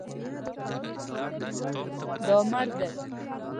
دا مړ دی